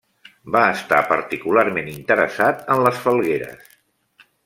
Va estar particularment interessat en les falgueres.